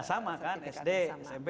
sama kan sd smp